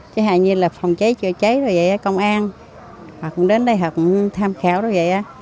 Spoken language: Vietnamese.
chứ hại như là phòng trái chữa trái rồi vậy công an họ cũng đến đây họ cũng tham khảo rồi vậy